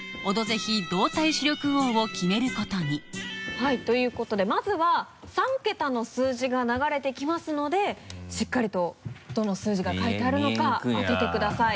ぜひ動体視力王を決めることにはいということでまずは３ケタの数字が流れてきますのでしっかりとどの数字が書いてあるのか当ててください。